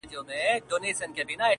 پر دښمن به مو ترخه زندګاني کړه.!